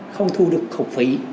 không thu được học phí